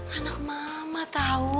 anak mama tau